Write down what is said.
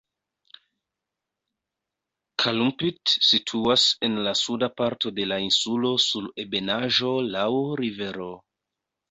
Calumpit situas en la suda parto de la insulo sur ebenaĵo laŭ rivero.